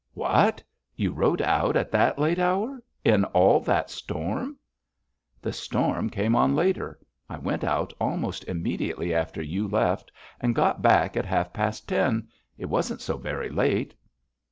'What! You rode out at that late hour, in all that storm?' 'The storm came on later. I went out almost immediately after you left, and got back at half past ten. It wasn't so very late.'